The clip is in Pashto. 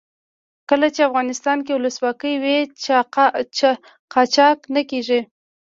کله چې افغانستان کې ولسواکي وي قاچاق نه کیږي.